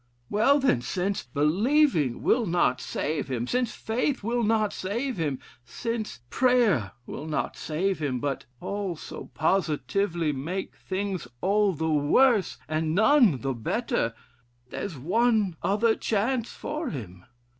Well, then, since believing will not save him, since faith will not save him, since prayer will not save him, but all so positively make things all the worse, and none the better, there's one other chance for him.